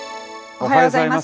おはようございます。